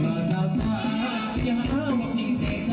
แม่ครัวสาวตาอยากว่ามีเสียงซ้าย